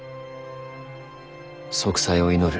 息災を祈る。